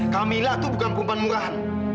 kamila itu bukan perempuan murahan